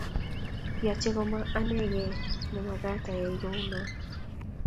yochei komo anegei nemekaat ayai kou noee